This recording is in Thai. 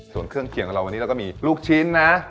ส่วนเครื่องเคียงของเราวันนี้เราก็มีลูกชิ้นนะ